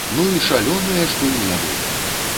Ну і шалёныя ж былі яны!